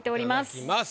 頂きます。